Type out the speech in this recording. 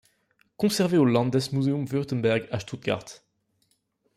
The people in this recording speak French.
Conservé au Landesmuseum Württemberg à Stuttgart.